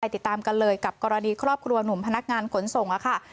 ติดตามกันเลยกับกรณีครอบครัวหนุ่มพนักงานขนส่งค่ะ